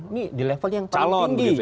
ini di level yang paling tinggi